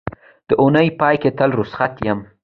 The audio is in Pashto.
د اونۍ پای کې تل روخصت یم